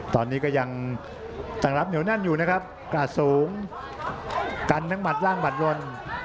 ตอนนี้ก็ยังแต่งรับเหนียวแน่นอยู่นะครับกาดสูงกันทั้งหมัดล่างหัดวน